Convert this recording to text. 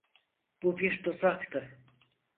Bu bir tuzaktı.